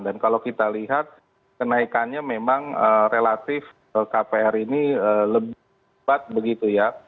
dan kalau kita lihat kenaikannya memang relatif kpr ini lebih cepat begitu ya